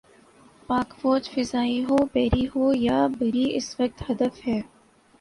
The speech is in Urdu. پاک فوج فضائی ہو، بحری ہو یا بری، اس وقت ہدف ہے۔